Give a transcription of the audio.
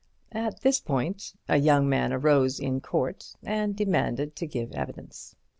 At this point a young man arose in court and demanded to give evidence.